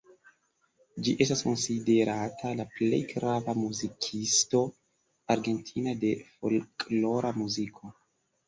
Ĝi estas konsiderata la plej grava muzikisto argentina de folklora muziko.